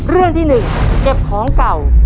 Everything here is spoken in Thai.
เรื่องที่๑เก็บของเก่า